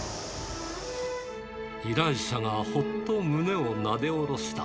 依頼者がほっと胸をなで下ろした。